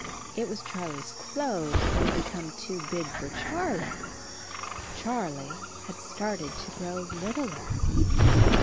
It was Charlie's clothes that had become too big for Charlie. Charlie had started to grow littler.